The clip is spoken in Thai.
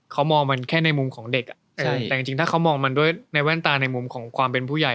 เขามองมันแค่ในมุมของเด็กแต่จริงถ้าเขามองมันด้วยในแว่นตาในมุมของความเป็นผู้ใหญ่